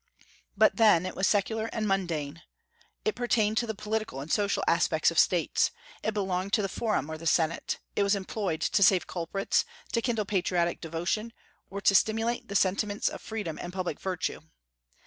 But then it was secular and mundane; it pertained to the political and social aspects of States; it belonged to the Forum or the Senate; it was employed to save culprits, to kindle patriotic devotion, or to stimulate the sentiments of freedom and public virtue.